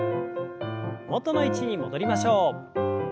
元の位置に戻りましょう。